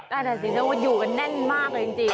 น่าจะสิเหมือนว่าอยู่กันแน่นมากเลยจริง